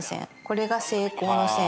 これが成功の線。